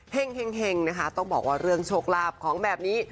เฮ่งเฮ่งเฮ่งนะคะต้องบอกว่าเรื่องโชคราบของแบบนี้